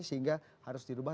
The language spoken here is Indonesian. sehingga harus dirubah